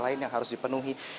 ini harus dipenuhi